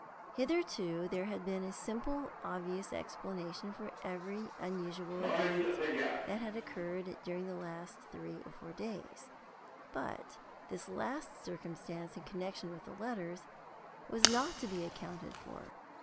Hitherto there had been a simple obvious explanation for every unusual event that had occurred during the last three or four days; but this last circumstance in connection with the letters was not to be accounted for.